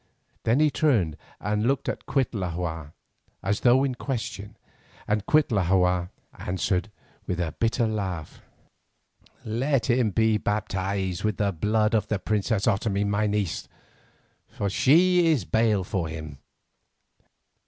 Then he turned and looked at Cuitlahua as though in question, and Cuitlahua answered with a bitter laugh: "Let him be baptized with the blood of the princess Otomie my niece, for she is bail for him."